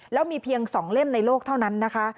แล้วมีเพียง๒เล่มในโลกเท่านั้นนะคะ